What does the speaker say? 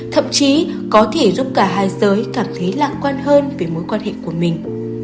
thậm chí có thể giúp cả hai giới cảm thấy lạc quan hơn về mối quan hệ của mình